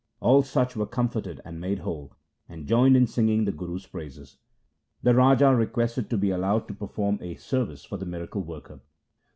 All such were comforted and made whole, and joined in singing the Guru's praises. The Raja requested to be allowed to perform a service for the miracle worker.